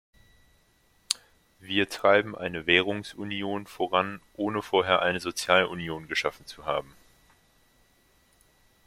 Wir treiben eine Währungsunion voran, ohne vorher eine Sozialunion geschaffen zu haben.